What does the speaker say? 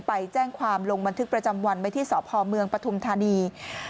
ไปแจ้งความลงบันทึกประจำวันไว้ที่สพเมืองปฐุมธานี